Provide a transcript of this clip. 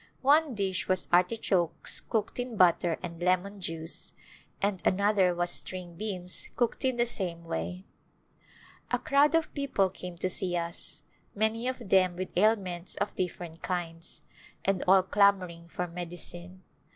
One dish was artichokes cooked in butter and lemon juice, and another was string beans cooked in the same way. A crowd of people came to see us, many of them with ailments of different kinds, and all clamoring for medicine.